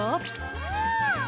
うん！